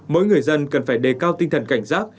mỗi người dân cần phải đề cao tinh thần cảnh giác